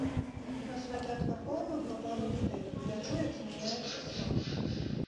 На святы адкаркоўваю па пару бутэлек, гляджу, як змяняецца смак.